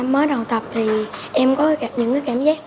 mới đầu tập thì em có những cảm giác